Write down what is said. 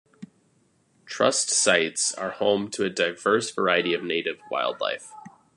Trust sites are home to a diverse variety of native wildlife.